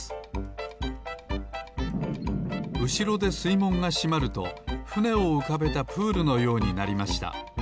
いもんがしまるとふねをうかべたプールのようになりました。